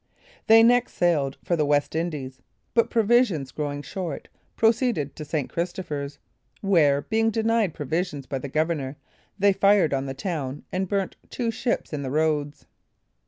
They next sailed for the West Indies, but provisions growing short, proceeded to St. Christopher's, where, being denied provisions by the governor, they fired on the town, and burnt two ships in the roads.